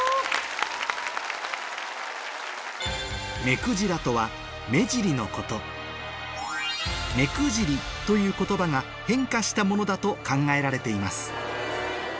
めくじらとは目尻のこと「目く尻」という言葉が変化したものだと考えられています